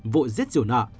vụ giết rủ nợ